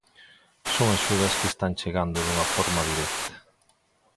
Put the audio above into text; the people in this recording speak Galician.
Son axudas que están chegando dunha forma directa.